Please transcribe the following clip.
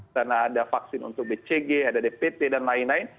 dan ada vaksin untuk bcg ada dpt dan lain lain